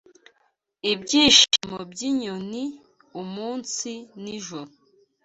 Ibyishimo by'inyoni, Umunsi n'ijoro